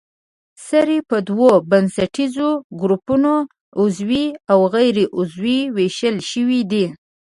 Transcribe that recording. سرې په دوو بنسټیزو ګروپونو عضوي او غیر عضوي ویشل شوې دي.